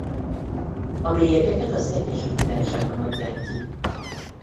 A bélyegeket az Egyesült Királyságban adják ki.